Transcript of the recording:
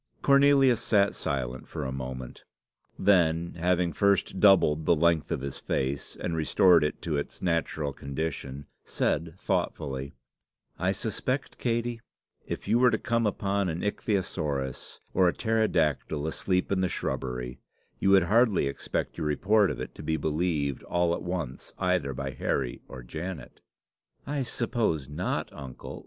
Cornelius sat silent for a moment; then, having first doubled the length of his face, and restored it to its natural condition, said thoughtfully, "I suspect, Katey, if you were to come upon an ichthyosaurus or a pterodactyl asleep in the shubbery, you would hardly expect your report of it to be believed all at once either by Harry or Janet." "I suppose not, uncle.